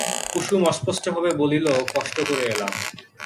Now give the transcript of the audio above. কুসুম অস্পষ্টভাবে বলিল, কষ্ট করে এলাম।